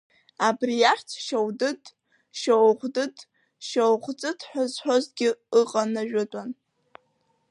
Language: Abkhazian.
Абри ахьӡ Шьоудыд, Шьоӷәдыд, Шьоӷәӡыҭ ҳәа зҳәозгьы ыҟан ажәытәан.